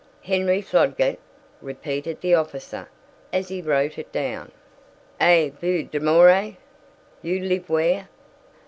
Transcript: "Henri Flodgett," repeated the officer as he wrote it down. "Et vous demeurez? You live where?"